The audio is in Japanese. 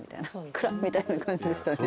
クラッみたいな感じでしたね。